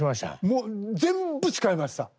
もう全部使いました。